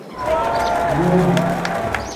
Duudi.